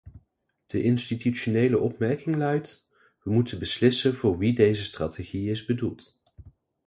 De institutionele opmerking luidt: we moeten beslissen voor wie deze strategie is bedoeld.